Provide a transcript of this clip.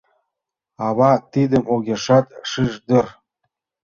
Ава тидым огешат шиж дыр...